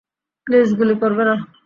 Please, গুলি করবে না!